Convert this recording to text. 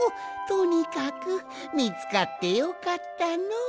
とにかくみつかってよかったのう。